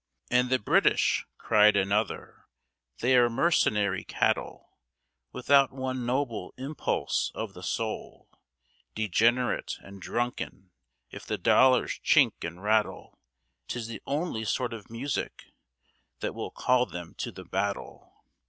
_" "And the British," cried another, "they are mercenary cattle, Without one noble impulse of the soul, Degenerate and drunken; if the dollars chink and rattle, 'Tis the only sort of music that will call them to the battle."